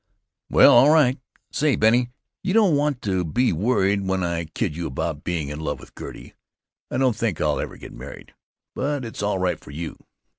"Well, all right. Say, Bennie, you don't want to be worried when I kid you about being in love with Gertie. I don't think I'll ever get married. But it's all right for you."